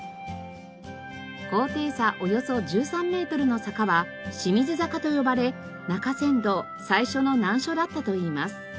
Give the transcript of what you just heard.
高低差およそ１３メートルの坂は清水坂と呼ばれ中山道最初の難所だったといいます。